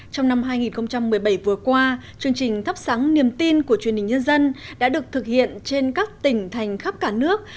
trong năm hai nghìn một mươi bảy vừa qua chương trình thắp sáng niềm tin của truyền hình nhân dân đã được thực hiện trên các tỉnh thành khắp cả nước